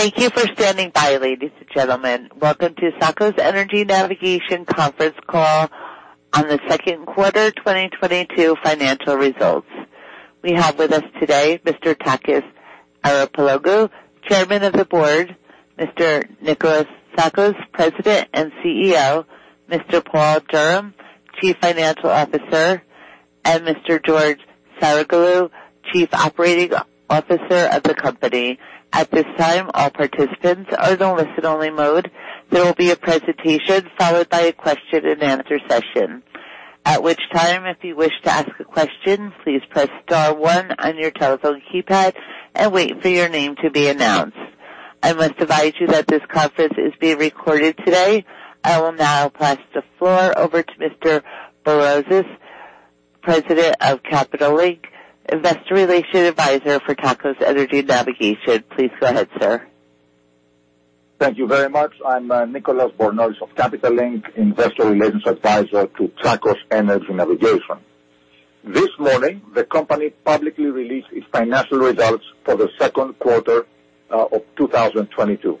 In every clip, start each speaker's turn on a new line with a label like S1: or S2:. S1: Thank you for standing by, ladies and gentlemen. Welcome to Tsakos Energy Navigation conference call on the second quarter 2022 financial results. We have with us today Mr. Takis Arapoglou, Chairman of the Board, Mr. Nikolas Tsakos, President and CEO, Mr. Paul Durham, Chief Financial Officer, and Mr. George Saroglou, Chief Operating Officer of the company. At this time, all participants are in listen only mode. There will be a presentation followed by a question and answer session. At which time, if you wish to ask a question, please press star one on your telephone keypad and wait for your name to be announced. I must advise you that this conference is being recorded today. I will now pass the floor over to Mr. Nicolas Bornozis, President of Capital Link, Investor Relations Advisor for Tsakos Energy Navigation. Please go ahead, sir.
S2: Thank you very much. I'm Nicolas Bornozis of Capital Link, Investor Relations Advisor to Tsakos Energy Navigation. This morning, the company publicly released its financial results for the second quarter of 2022.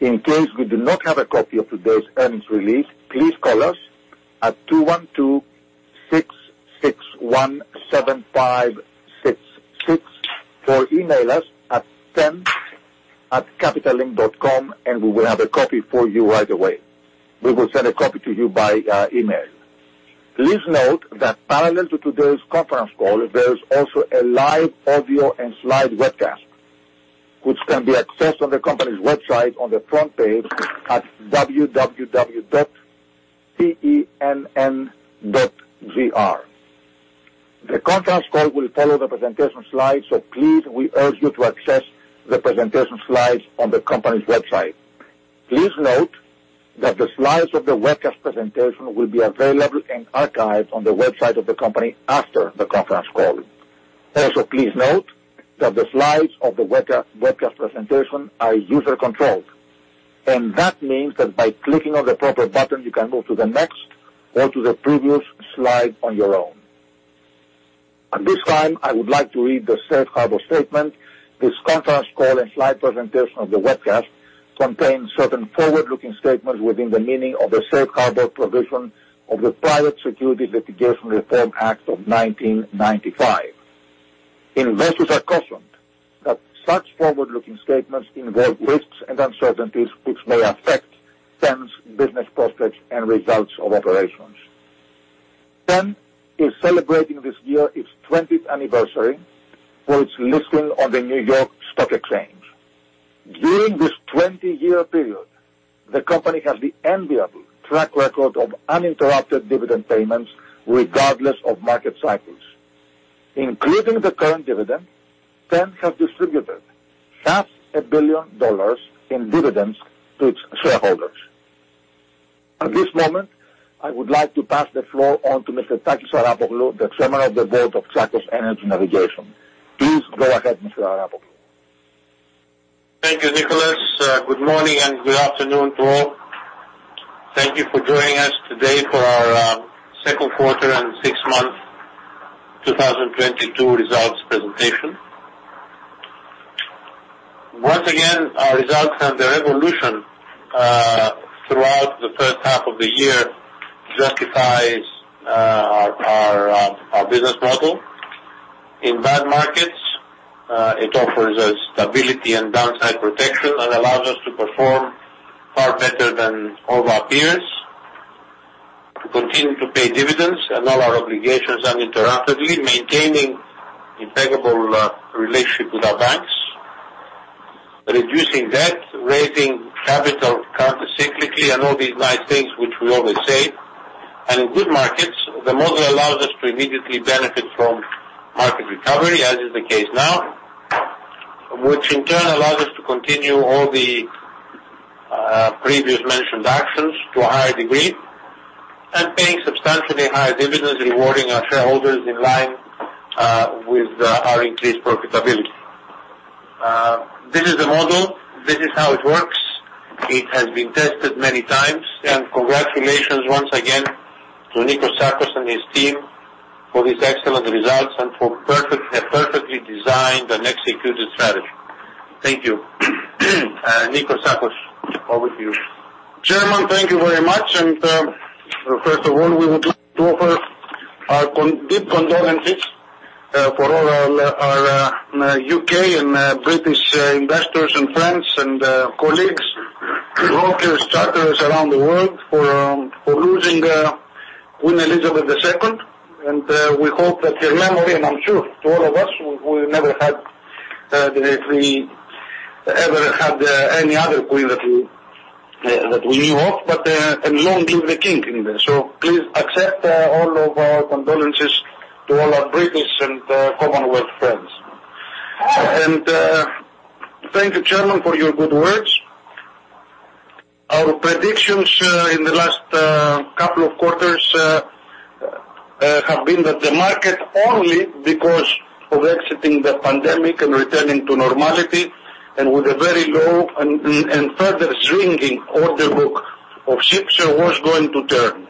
S2: In case we do not have a copy of today's earnings release, please call us at 212-661-7566 or email us at ten@capitallink.com, and we will have a copy for you right away. We will send a copy to you by email. Please note that parallel to today's conference call, there is also a live audio and slide webcast which can be accessed on the company's website on the front page at www.tenn.gr. The conference call will follow the presentation slides, so please, we urge you to access the presentation slides on the company's website. Please note that the slides of the webcast presentation will be available in archives on the website of the company after the conference call. Also, please note that the slides of the webcast presentation are user controlled. That means that by clicking on the proper button, you can move to the next or to the previous slide on your own. At this time, I would like to read the safe harbor statement. This conference call and slide presentation of the webcast contains certain forward-looking statements within the meaning of the Safe Harbor provision of the Private Securities Litigation Reform Act of 1995. Investors are cautioned that such forward-looking statements involve risks and uncertainties, which may affect TEN's business prospects and results of operations. TEN is celebrating this year its 20th anniversary for its listing on the New York Stock Exchange. During this 20-year period, the company has the enviable track record of uninterrupted dividend payments regardless of market cycles. Including the current dividend, TEN has distributed half a billion dollars in dividends to its shareholders. At this moment, I would like to pass the floor on to Mr. Takis Arapoglou, the Chairman of the Board of Tsakos Energy Navigation. Please go ahead, Mr. Arapoglou.
S3: Thank you, Nicholas. Good morning and good afternoon to all. Thank you for joining us today for our second quarter and six-month 2022 results presentation. Once again, our results and the evolution throughout the first half of the year justifies our business model. In bad markets, it offers us stability and downside protection and allows us to perform far better than all of our peers, to continue to pay dividends and all our obligations uninterruptedly, maintaining impeccable relationship with our banks, reducing debt, raising capital countercyclically, and all these nice things which we always say. In good markets, the model allows us to immediately benefit from market recovery, as is the case now, which in turn allows us to continue all the previous mentioned actions to a higher degree and paying substantially higher dividends, rewarding our shareholders in line with our increased profitability. This is the model. This is how it works. It has been tested many times. Congratulations once again to Nikolas Tsakos and his team for these excellent results and for a perfectly designed and executed strategy. Thank you. Nikolas Tsakos, over to you.
S4: Chairman, thank you very much. First of all, we would like to offer our deep condolences for all our U.K. and British investors and friends and colleagues, brokers, charters around the world for losing Queen Elizabeth II. We hope that her memory, and I'm sure to all of us, we never had we ever had any other queen that we knew of, but and long live the King in there. Please accept all of our condolences to all our British and Commonwealth friends. Thank you, Chairman, for your good words. Our predictions in the last couple of quarters have been that the market only because of exiting the pandemic and returning to normality and with a very low and further shrinking order book of ships was going to turn.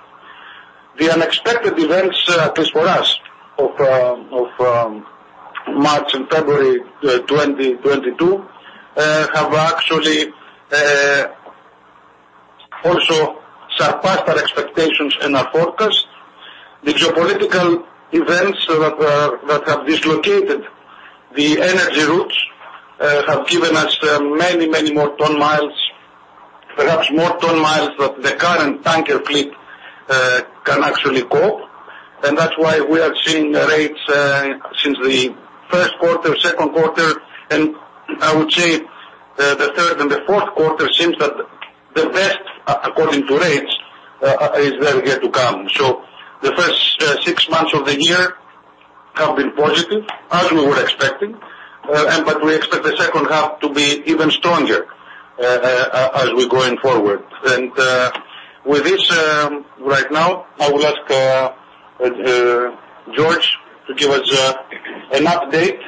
S4: The unexpected events, at least for us, of March and February 2022, have actually also surpassed our expectations and our forecast. The geopolitical events that have dislocated the energy routes have given us many, many more ton-miles, perhaps more ton-miles than the current tanker fleet can actually go. That's why we are seeing rates since the first quarter, second quarter, and I would say the third and the fourth quarter seems that the best according to rates is very yet to come. The first six months of the year have been positive, as we were expecting, but we expect the second half to be even stronger, as we're going forward. With this, right now, I will ask George to give us an update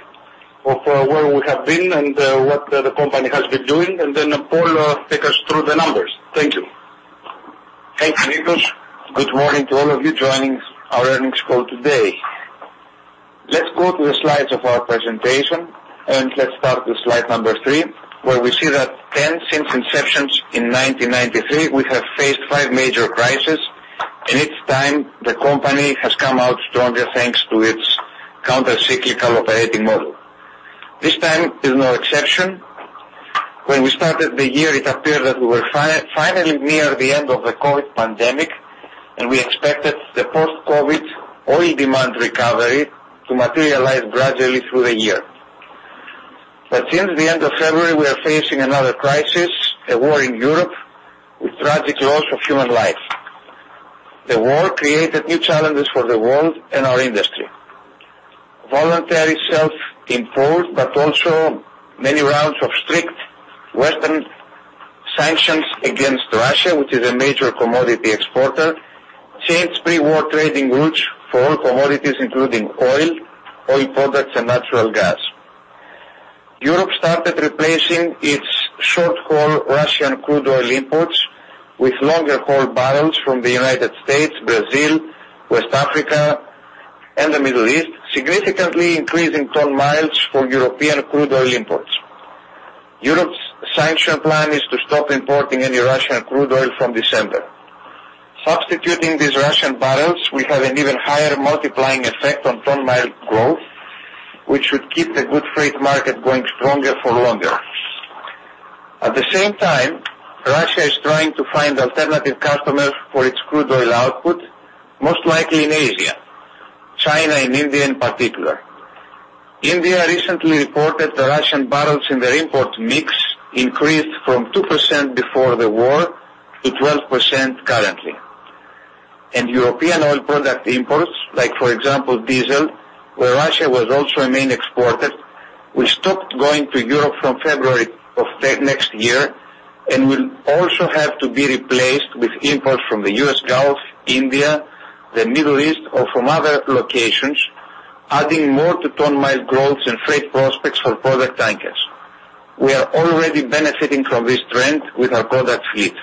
S4: of where we have been and what the company has been doing, and then Paul take us through the numbers. Thank you.
S5: Thanks, Nikos. Good morning to all of you joining our earnings call today. Let's go to the slides of our presentation, and let's start with slide number three, where we see that TEN since inception in 1993, we have faced five major crises, and each time the company has come out stronger thanks to its counter-cyclical operating model. This time is no exception. When we started the year, it appeared that we were finally near the end of the COVID pandemic, and we expected the post-COVID oil demand recovery to materialize gradually through the year. Since the end of February, we are facing another crisis, a war in Europe, with tragic loss of human life. The war created new challenges for the world and our industry. Voluntary self-imposed, but also many rounds of strict Western sanctions against Russia, which is a major commodity exporter, changed pre-war trading routes for all commodities including oil products, and natural gas. Europe started replacing its short-haul Russian crude oil imports with longer-haul barrels from the United States, Brazil, West Africa, and the Middle East, significantly increasing ton-miles for European crude oil imports. Europe's sanction plan is to stop importing any Russian crude oil from December. Substituting these Russian barrels will have an even higher multiplying effect on ton-miles growth, which should keep the good freight market going stronger for longer. At the same time, Russia is trying to find alternative customers for its crude oil output, most likely in Asia, China and India in particular. India recently reported that Russian barrels in their import mix increased from 2% before the war to 12% currently. European oil product imports, like for example, diesel, where Russia was also a main exporter, will stop going to Europe from February of next year, and will also have to be replaced with imports from the U.S. Gulf, India, the Middle East or from other locations, adding more to ton-mile growth and freight prospects for product tankers. We are already benefiting from this trend with our product fleet.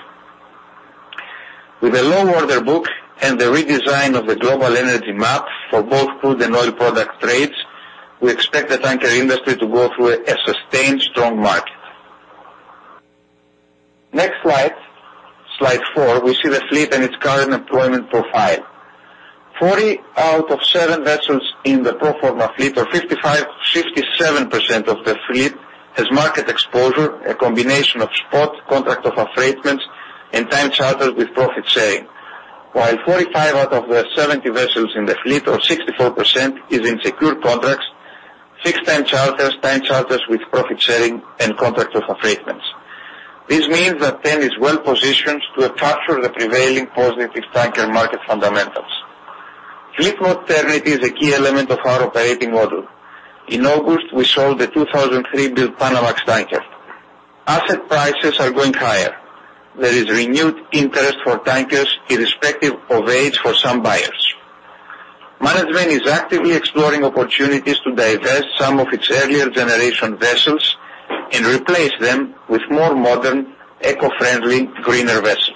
S5: With a low order book and the redesign of the global energy map for both crude and oil product trades, we expect the tanker industry to go through a sustained strong market. Next slide 4, we see the fleet and its current employment profile. 40 out of 70 vessels in the pro forma fleet, or 55%-67% of the fleet has market exposure, a combination of spot, contract of affreightment, and time charters with profit sharing. While 45 out of the 70 vessels in the fleet or 64% is in secure contracts, fixed time charters, time charters with profit sharing and contract of affreightment. This means that TEN is well-positioned to capture the prevailing positive tanker market fundamentals. Fleet modernity is a key element of our operating model. In August, we sold a 2003-built Panamax tanker. Asset prices are going higher. There is renewed interest for tankers irrespective of age for some buyers. Management is actively exploring opportunities to divest some of its earlier generation vessels and replace them with more modern, eco-friendly, greener vessels.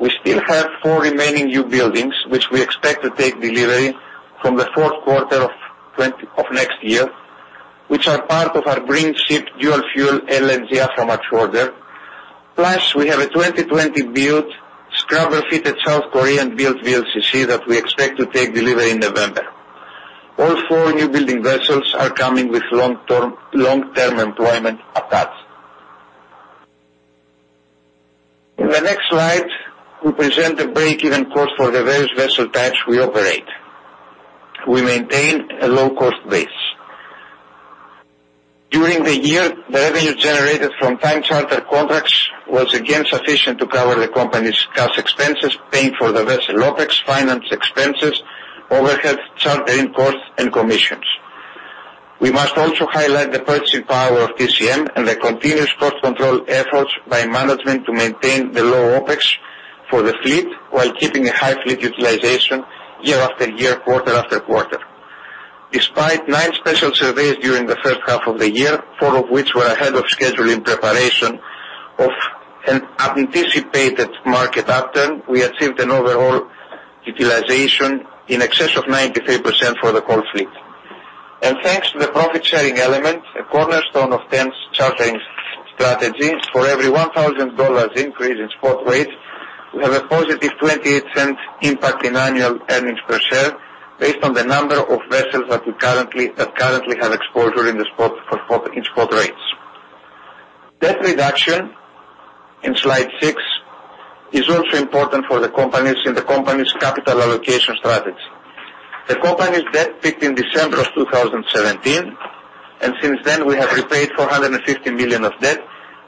S5: We still have four remaining new buildings, which we expect to take delivery from the fourth quarter of 2024, which are part of our green ship dual fuel LNG Aframax order. Plus, we have a 2020-built scrubber-fitted South Korean-built VLCC that we expect to take delivery in November. All four new building vessels are coming with long-term employment attached. In the next slide, we present the break-even cost for the various vessel types we operate. We maintain a low cost base. During the year, the revenue generated from time charter contracts was again sufficient to cover the company's cash expenses, paying for the vessel OpEx, finance expenses, overhead, chartering costs, and commissions. We must also highlight the purchasing power of TCE and the continuous cost control efforts by management to maintain the low OpEx for the fleet while keeping a high fleet utilization year after year, quarter after quarter. Despite nine special surveys during the first half of the year 4 of which were ahead of schedule in preparation of an anticipated market upturn, we achieved an overall utilization in excess of 93% for the whole fleet. Thanks to the profit-sharing element, a cornerstone of TEN's chartering strategy, for every $1,000 increase in spot rates, we have a positive $0.28 impact in annual earnings per share based on the number of vessels that currently have exposure in spot rates. Debt reduction, in Slide 6, is also important for the company in the company's capital allocation strategy. The company's debt peaked in December 2017, and since then, we have repaid $450 million of debt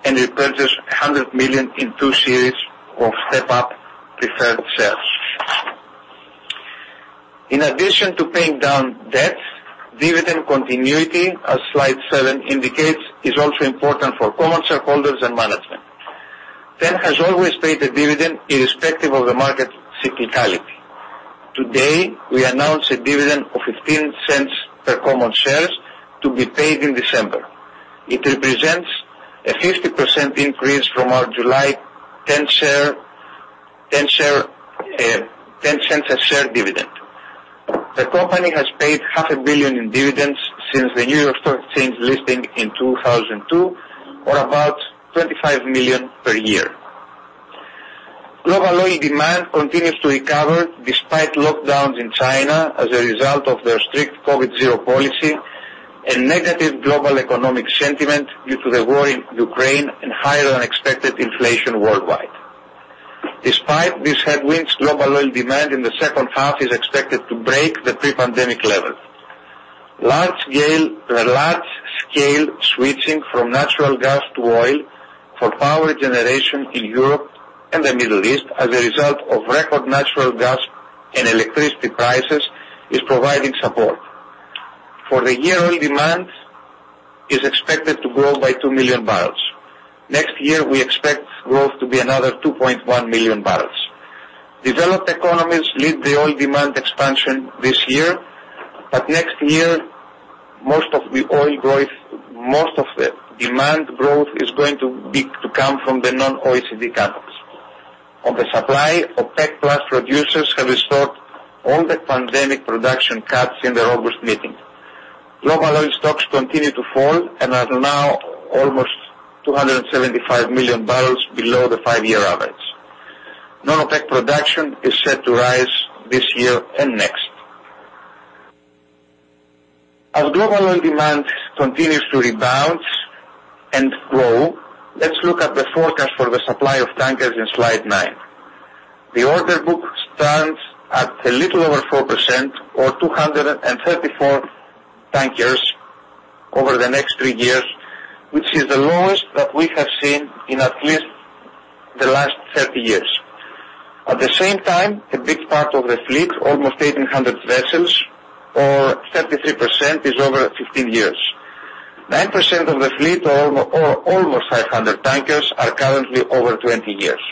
S5: and repurchased $100 million in two series of step-up preferred shares. In addition to paying down debt, dividend continuity, as slide 7 indicates, is also important for common shareholders and management. TEN has always paid a dividend irrespective of the market cyclicality. Today, we announced a dividend of $0.15 per common shares to be paid in December. It represents a 50% increase from our July TEN share, $0.10 a share dividend. The company has paid $ half a billion in dividends since the New York Stock Exchange listing in 2002, or about $25 million per year. Global oil demand continues to recover despite lockdowns in China as a result of their strict COVID zero policy and negative global economic sentiment due to the war in Ukraine and higher-than-expected inflation worldwide. Despite these headwinds, global oil demand in the second half is expected to break the pre-pandemic level. Large scale switching from natural gas to oil for power generation in Europe and the Middle East as a result of record natural gas and electricity prices is providing support. For the year, oil demand is expected to grow by 2 million barrels. Next year, we expect growth to be another 2.1 million barrels. Developed economies lead the oil demand expansion this year, but next year most of the oil growth, most of the demand growth is going to come from the non-OECD countries. On the supply, OPEC Plus producers have restored all the pandemic production cuts in the August meeting. Global oil stocks continue to fall and are now almost 275 million barrels below the five-year average. Non-OPEC production is set to rise this year and next. As global oil demand continues to rebound and grow, let's look at the forecast for the supply of tankers in slide nine. The order book stands at a little over 4% or 234 tankers over the next three years, which is the lowest that we have seen in at least the last 30 years. At the same time, a big part of the fleet, almost 1,800 vessels or 33% is over 15 years. 9% of the fleet or almost 500 tankers are currently over 20 years.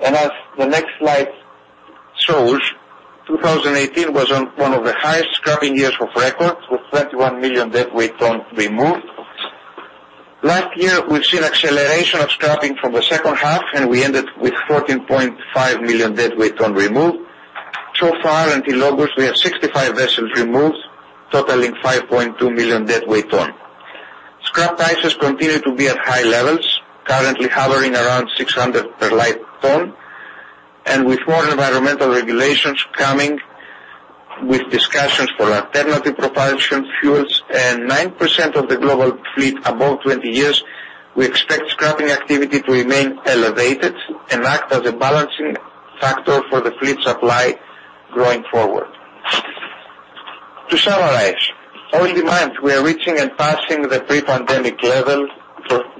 S5: As the next slide shows, 2018 was one of the highest scrapping years of record, with 21 million deadweight ton removed. Last year, we've seen acceleration of scrapping from the second half, and we ended with 14.5 million deadweight ton removed. So far until August, we have 65 vessels removed, totaling 5.2 million deadweight ton. Scrap prices continue to be at high levels, currently hovering around $600 per light ton. With more environmental regulations coming with discussions for alternative propulsion fuels and 9% of the global fleet above 20 years, we expect scrapping activity to remain elevated and act as a balancing factor for the fleet supply going forward. To summarize, oil demand, we are reaching and passing the pre-pandemic level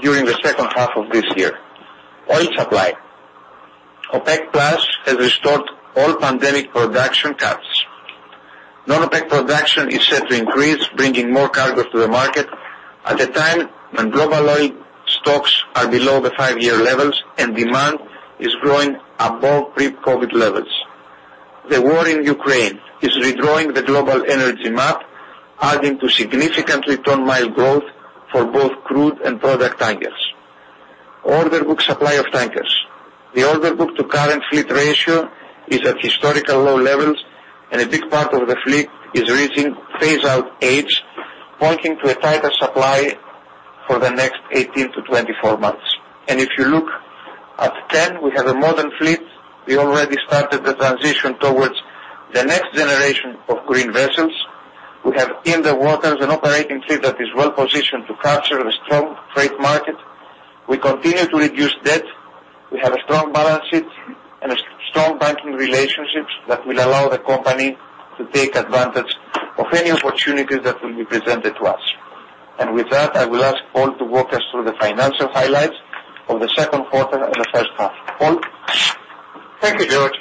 S5: in the second half of this year. Oil supply. OPEC+ has restored all pandemic production cuts. Non-OPEC production is set to increase, bringing more cargo to the market at a time when global oil stocks are below the five-year levels and demand is growing above pre-COVID levels. The war in Ukraine is redrawing the global energy map, adding to significantly ton-mile growth for both crude and product tankers. Order book supply of tankers. The order book to current fleet ratio is at historical low levels, and a big part of the fleet is reaching phase-out age, pointing to a tighter supply for the next 18-24 months. If you look at TEN, we have a modern fleet. We already started the transition towards the next generation of green vessels. We have in the waters an operating fleet that is well-positioned to capture the strong freight market. We continue to reduce debt. We have a strong balance sheet and strong banking relationships that will allow the company to take advantage of any opportunities that will be presented to us. With that, I will ask Paul to walk us through the financial highlights of the second quarter and the first half. Paul?
S6: Thank you, George.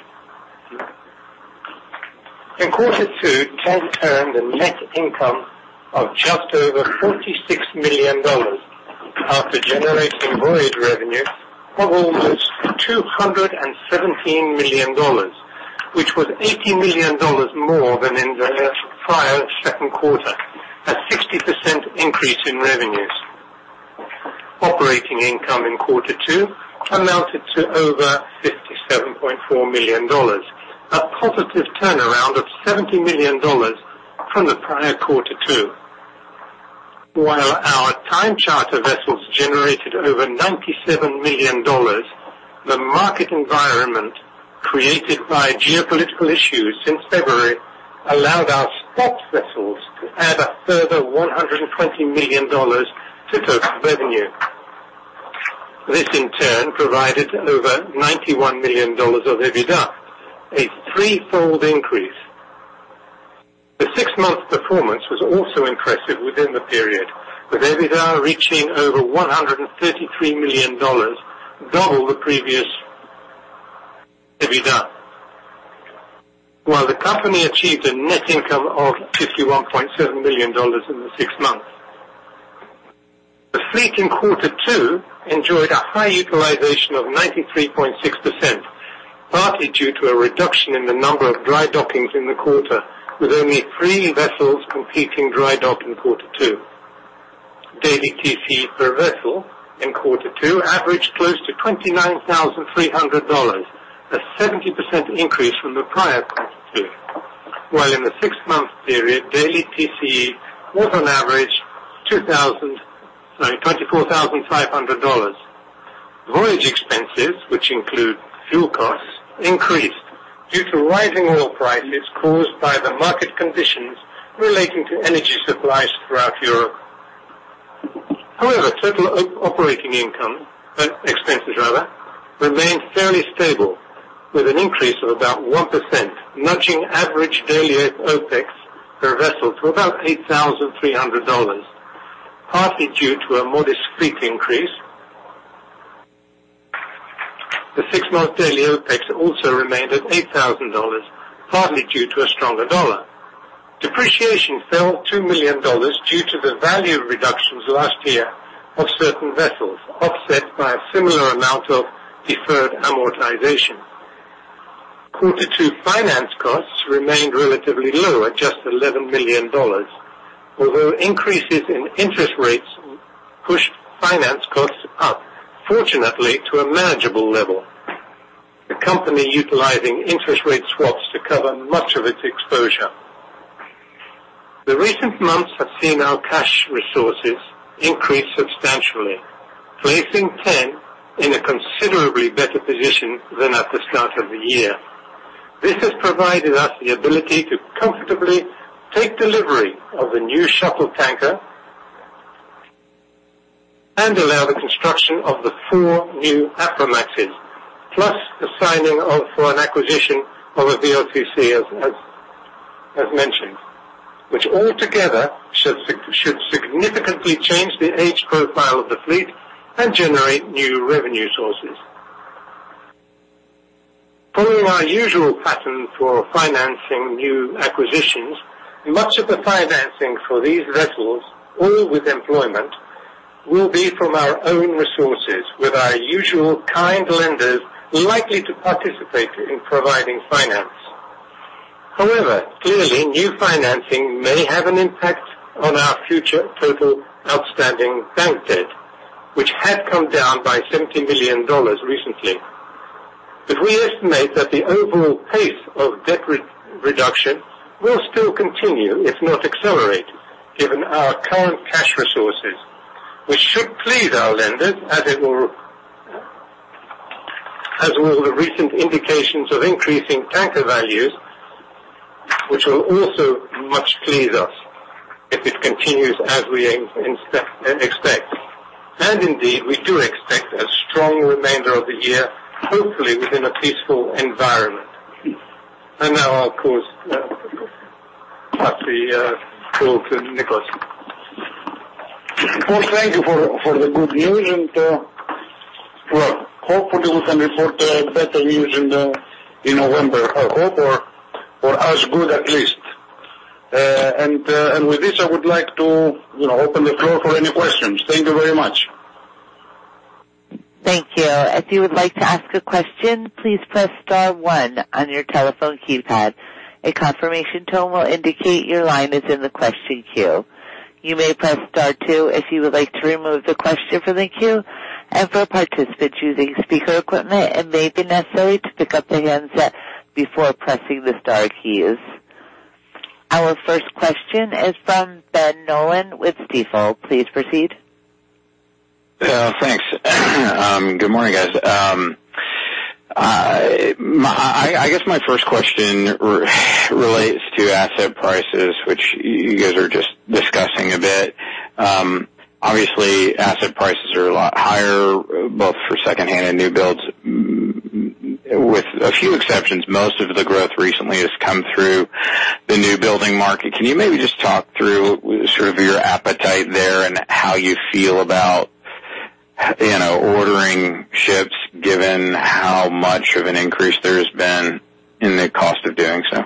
S6: In quarter two, TEN earned a net income of just over $46 million. After generating voyage revenue of almost $217 million, which was $80 million more than in the prior second quarter, a 60% increase in revenues. Operating income in quarter two amounted to over $57.4 million, a positive turnaround of $70 million from the prior quarter two. While our time charter vessels generated over $97 million, the market environment created by geopolitical issues since February allowed our stock vessels to add a further $120 million to total revenue. This, in turn, provided over $91 million of EBITDA, a threefold increase. The six-month performance was also impressive within the period, with EBITDA reaching over $133 million, double the previous EBITDA. While the company achieved a net income of $51.7 million in the six months. The fleet in quarter two enjoyed a high utilization of 93.6%, partly due to a reduction in the number of dry dockings in the quarter, with only three vessels completing dry dock in quarter two. Daily TC per vessel in quarter two averaged close to $29,300, a 70% increase from the prior quarter, while in the six-month period, daily TC was on average $24,500. Voyage expenses, which include fuel costs, increased due to rising oil prices caused by the market conditions relating to energy supplies throughout Europe. However, total operating expenses rather remained fairly stable with an increase of about 1%, nudging average daily OpEx per vessel to about $8,300, partly due to a more discreet increase. The six-month daily OpEx also remained at $8,000, partly due to a stronger dollar. Depreciation fell $2 million due to the value reductions last year of certain vessels, offset by a similar amount of deferred amortization. Quarter two finance costs remained relatively low at just $11 million. Although increases in interest rates pushed finance costs up, fortunately, to a manageable level, the company, utilizing interest rate swaps to cover much of its exposure. The recent months have seen our cash resources increase substantially, placing TEN in a considerably better position than at the start of the year. This has provided us the ability to comfortably take delivery of the new shuttle tanker and allow the construction of the four new Aframaxes, plus the signing for an acquisition of a VLCC, as mentioned, which altogether should significantly change the age profile of the fleet and generate new revenue sources. Following our usual pattern for financing new acquisitions, much of the financing for these vessels, all with employment, will be from our own resources, with our usual kind lenders likely to participate in providing finance. However, clearly, new financing may have an impact on our future total outstanding bank debt, which has come down by $70 million recently. We estimate that the overall pace of debt re-reduction will still continue, if not accelerated, given our current cash resources, which should please our lenders as it will. As all the recent indications of increasing tanker values, which will also much please us if it continues as we expect. Indeed, we do expect a strong remainder of the year, hopefully within a peaceful environment. Now, of course, happy to go to Nikolas Tsakos.
S4: Well, thank you for the good news and well, hopefully, we can report better news in November. I hope, or as good, at least. With this, I would like to, you know, open the floor for any questions. Thank you very much.
S1: Thank you. If you would like to ask a question, please press star one on your telephone keypad. A confirmation tone will indicate your line is in the question queue. You may press star two if you would like to remove the question from the queue. For participants using speaker equipment, it may be necessary to pick up the handset before pressing the star keys. Our first question is from Ben Nolan with Stifel. Please proceed.
S7: Yeah, thanks. Good morning, guys. I guess my first question relates to asset prices, which you guys are just discussing a bit. Obviously, asset prices are a lot higher, both for secondhand and new builds. With a few exceptions, most of the growth recently has come through the new building market. Can you maybe just talk through sort of your appetite there and how you feel about, you know, ordering ships given how much of an increase there has been in the cost of doing so?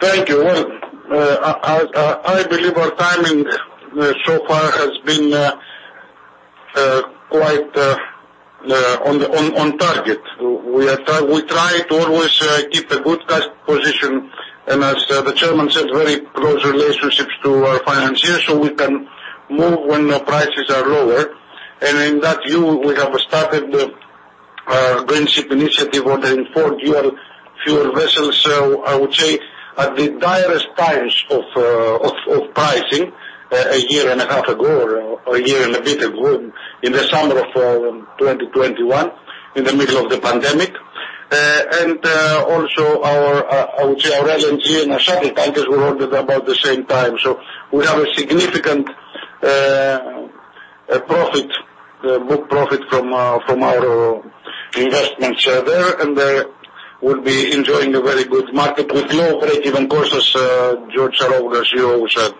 S4: Thank you. Well, I believe our timing so far has been quite on target. We try to always keep a good cash position, and as the chairman said, very close relationships to our financiers so we can move when the prices are lower. In that view, we have started our greenship initiative on the four dual fuel vessels. I would say at the direst times of pricing a year and a half ago or a year and a bit ago in the summer of 2021 in the middle of the pandemic. Also our LNG and our shuttle tankers were ordered about the same time. We have a significant profit book profit from our investments there, and they will be enjoying a very good market with low break-even costs as George Saroglou, you said.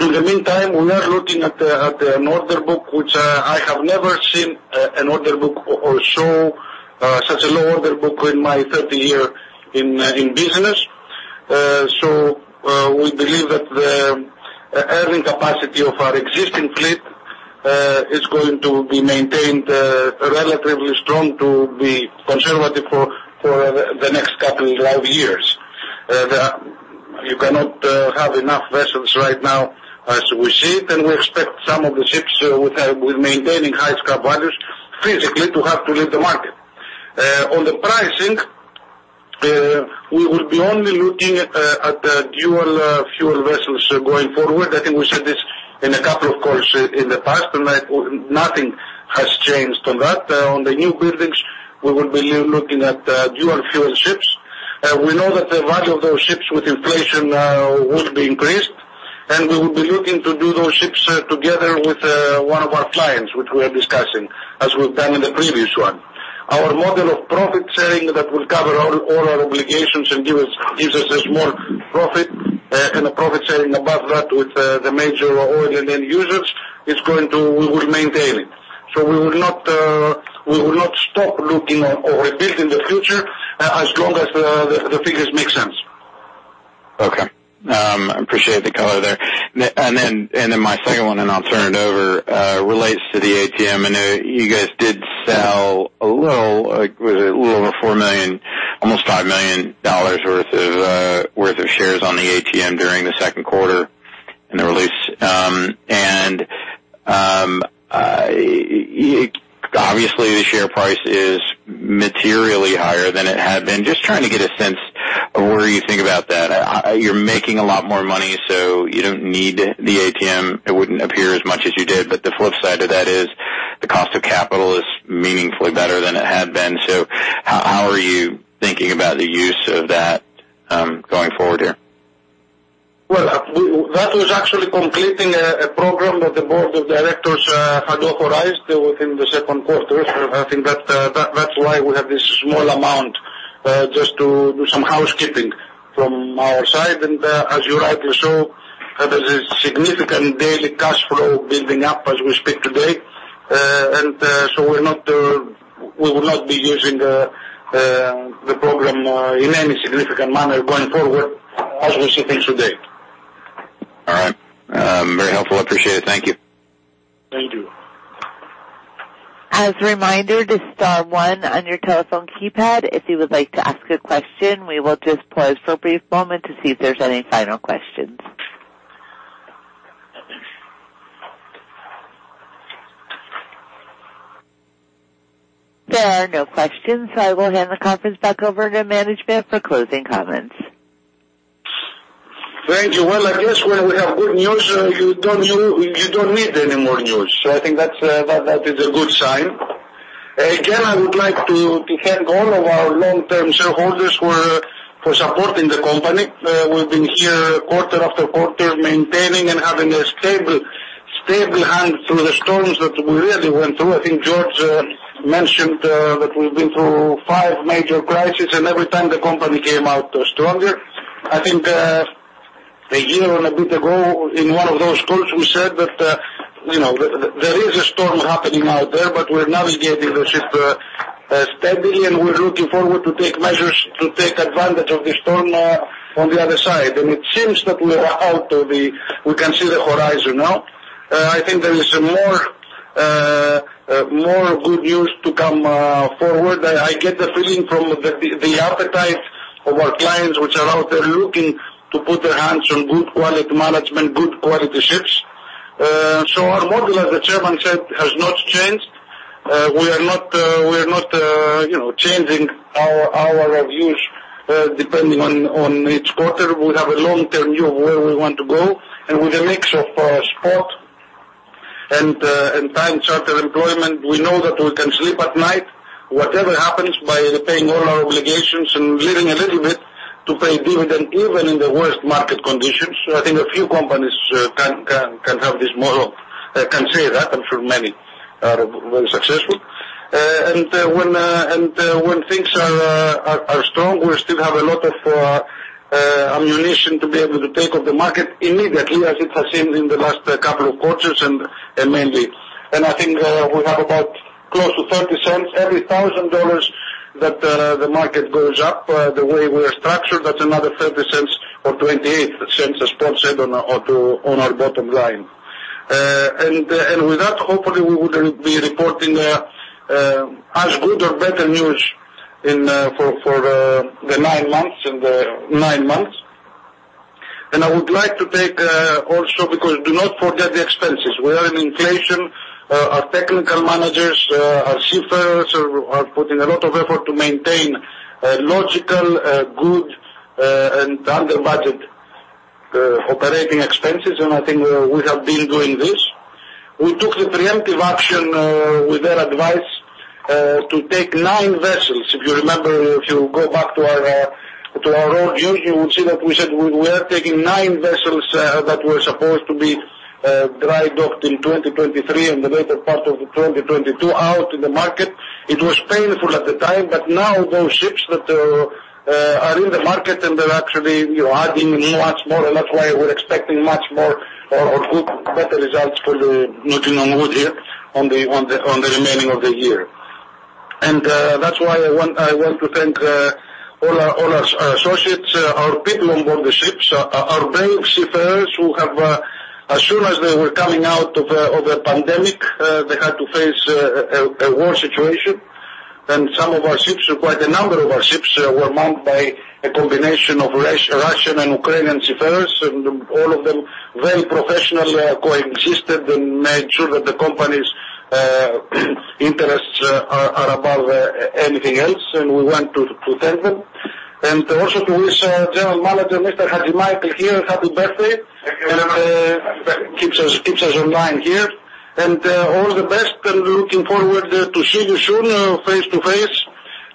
S4: In the meantime, we are looking at an order book which I have never seen an order book or so such a low order book in my thirty year in business. We believe that the earning capacity of our existing fleet is going to be maintained relatively strong to be conservative for the next couple of years. You cannot have enough vessels right now as we see it, and we expect some of the ships with maintaining high scrap values physically to have to leave the market. On the pricing, we will be only looking at the dual fuel vessels going forward. I think we said this in a couple of calls in the past, and nothing has changed on that. On the new buildings, we will be looking at dual fuel ships. We know that the value of those ships with inflation will be increased, and we will be looking to do those ships together with one of our clients, which we are discussing as we've done in the previous one. Our model of profit sharing that will cover all our obligations and gives us a small profit, and a profit sharing above that with the major oil and end users is going to. We will maintain it. We will not stop looking or rebuild in the future as long as the figures make sense.
S7: Okay. Appreciate the color there. My second one, and I'll turn it over, relates to the ATM. I know you guys did sell a little, like was it a little over $4 million, almost $5 million worth of shares on the ATM during the second quarter in the release. Obviously the share price is materially higher than it had been. Just trying to get a sense of where you think about that. You're making a lot more money, so you don't need the ATM. It wouldn't appear as much as you did, but the flip side of that is the cost of capital is meaningfully better than it had been. How are you thinking about the use of that, going forward here?
S4: That was actually completing a program that the board of directors had authorized within the second quarter. I think that's why we have this small amount, just to do some housekeeping from our side. As you rightly show, there's a significant daily cash flow building up as we speak today. We will not be using the program in any significant manner going forward as we see things today.
S7: All right. Very helpful. I appreciate it. Thank you.
S4: Thank you.
S1: As a reminder to star one on your telephone keypad if you would like to ask a question. We will just pause for a brief moment to see if there's any final questions. There are no questions, so I will hand the conference back over to management for closing comments.
S4: Thank you. Well, I guess when we have good news, you don't need any more news. So I think that is a good sign. Again, I would like to thank all of our long-term shareholders for supporting the company. We've been here quarter after quarter maintaining and having a stable hand through the storms that we really went through. I think George mentioned that we've been through five major crises and every time the company came out stronger. I think a year and a bit ago in one of those calls we said that you know, there is a storm happening out there, but we're navigating the ship steadily, and we're looking forward to take measures to take advantage of this storm on the other side. It seems that we're out of the woods, we can see the horizon now. I think there is more good news to come forward. I get the feeling from the appetite of our clients which are out there looking to put their hands on good quality management, good quality ships. Our model as the chairman said has not changed. We are not, you know, changing our views depending on each quarter. We have a long term view of where we want to go and with a mix of spot and time charter employment. We know that we can sleep at night, whatever happens by paying all our obligations and leaving a little bit to pay dividend even in the worst market conditions. I think a few companies can have this model. I can say that I'm sure many are very successful. When things are strong, we still have a lot of ammunition to be able to take advantage of the market immediately as it has heated in the last couple of quarters and mainly. I think we have about close to $0.30 every $1,000 that the market goes up, the way we are structured, that's another $0.30 or $0.28, as Paul said, on our bottom line. With that, hopefully we would be reporting as good or better news for the nine months. I would like to take also because do not forget the expenses. We are in inflation. Our technical managers, our seafarers are putting a lot of effort to maintain a logical, good, and under budget operating expenses and I think we have been doing this. We took the preemptive action, with their advice, to take nine vessels. If you remember, if you go back to our roadshow, you would see that we said we are taking nine vessels that were supposed to be dry docked in 2023 and the later part of 2022 out in the market. It was painful at the time, but now those ships that are in the market and they're actually, you know, adding much more and that's why we're expecting much more or good, better results, knocking on wood here on the remaining of the year. That's why I want to thank all our associates, our people on board the ships, our brave seafarers who have, as soon as they were coming out of a pandemic, they had to face a war situation. Some of our ships, quite a number of our ships, were manned by a combination of Russian and Ukrainian seafarers and all of them very professionally coexisted and made sure that the company's interests are above anything else and we want to thank them. Also to wish our general manager, Mr. Hadjimichael here, happy birthday.
S8: Thank you very much. Happy birthday.
S4: Keeps us online here. All the best, and looking forward to see you soon, face to face.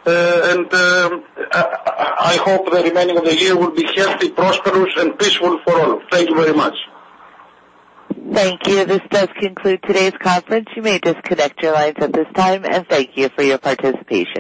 S4: I hope the remaining of the year will be healthy, prosperous and peaceful for all. Thank you very much.
S1: Thank you. This does conclude today's conference. You may disconnect your lines at this time, and thank you for your participation.